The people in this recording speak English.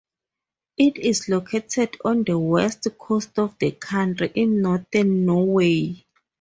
It is located on the west coast of the country, in Northern Norway.